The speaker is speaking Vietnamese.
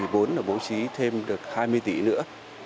vốn là bố trí thêm được hai mươi tỷ nữa